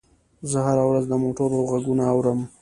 زه هره ورځ د موټر غږونه اورم.